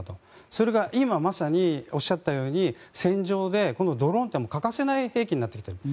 それが今まさにおっしゃったように戦場でドローンというのは欠かせない兵器になってきている。